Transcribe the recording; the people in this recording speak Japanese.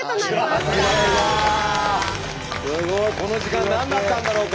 すごい！この時間何だったんだろうか？